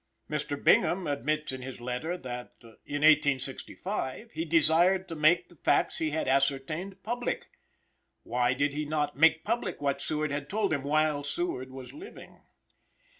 Mr. Bingham admits in his letter that, in 1865, "he desired to make" the facts he had ascertained "public." Why did he not "make public" what Seward had told him, while Seward was living?